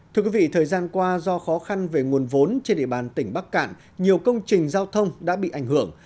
thưa quý vị thời gian qua do khó khăn về nguồn vốn trên địa bàn tỉnh bắc cạn nhiều công trình giao thông đã bị ảnh hưởng